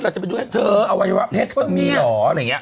เราจะไปดูเธอเอาวัยวะเพชรมีหรออะไรอย่างเงี้ย